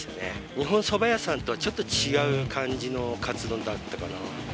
日本そば屋さんとはちょっと違う感じのカツ丼だったかな。